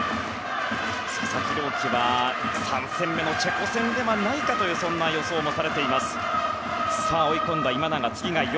佐々木朗希は、３戦目のチェコ戦ではないかというそんな予想もされています。